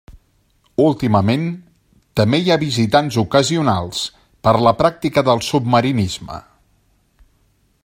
Últimament també hi ha visitants ocasionals per la pràctica del submarinisme.